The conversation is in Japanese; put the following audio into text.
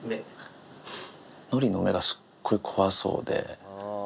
のりの目がすっごい怖そうで。